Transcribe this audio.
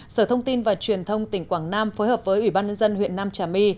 sở thông tin và truyền thông tỉnh quảng nam phối hợp với ủy ban nhân dân huyện nam trà my